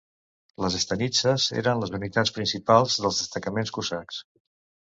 Les stanitsas eren les unitats principals dels destacaments cosacs.